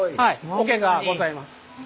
桶がございます。